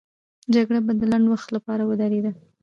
جګړه به د لنډ وخت لپاره ودرېده.